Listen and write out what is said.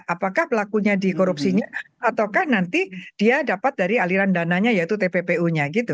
apakah pelakunya di korupsinya ataukah nanti dia dapat dari aliran dananya yaitu tppu nya gitu